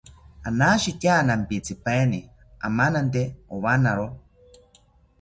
Anashitya nampitzipaini amanante owanawo